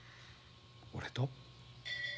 俺と？